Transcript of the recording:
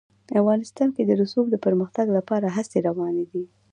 افغانستان کې د رسوب د پرمختګ لپاره هڅې روانې دي.